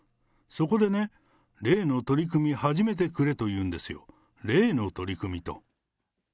そこでね、例の取り組み始めてくれというんですよ、例の取り組みと。